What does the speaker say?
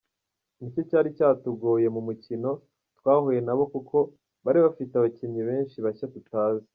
Nicyo cyari cyatugoye mu mukino twahuye nabo kuko bari bafite abakinnyi benshi bashya tutazi.